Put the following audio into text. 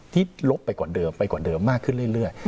ลบไปกว่าเดิมไปกว่าเดิมมากขึ้นเรื่อย